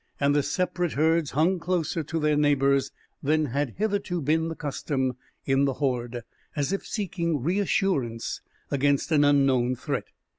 And the separate herds hung closer to their neighbors than had hitherto been the custom in the horde, as if seeking reassurance against an unknown threat.